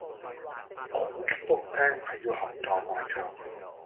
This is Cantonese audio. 講極都唔聽，係要撼頭埋牆。